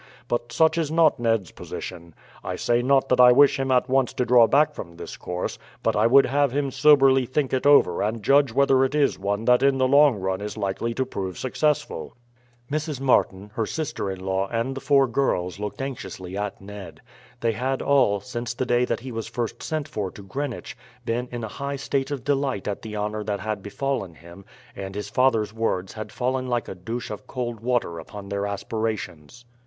But such is not Ned's position. I say not that I wish him at once to draw back from this course; but I would have him soberly think it over and judge whether it is one that in the long run is likely to prove successful." Mrs. Martin, her sister in law, and the four girls looked anxiously at Ned. They had all, since the day that he was first sent for to Greenwich, been in a high state of delight at the honour that had befallen him, and his father's words had fallen like a douche of cold water upon their aspirations.